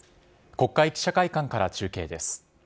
国会記者会見から中継です。